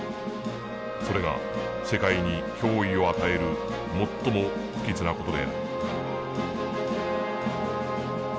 それが世界に脅威を与える最も不吉な事である」。